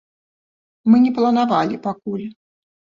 Мы не планавалі пакуль.